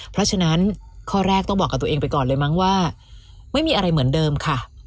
เพราะฉะนั้นข้อแรกต้องบอกกับตัวเองไปก่อนเลยมั้งว่าไม่มีอะไรเหมือนเดิมค่ะ